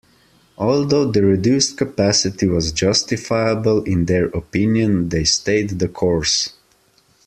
Although the reduced capacity was justifiable in their opinion, they stayed the course.